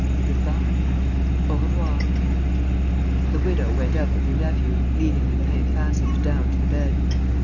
"Good bye." "Au revoir." The widow went out with her nephew, leaving Lupin fastened down to the bed.